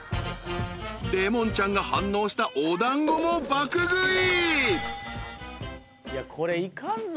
［レモンちゃんが反応したお団子も爆食い］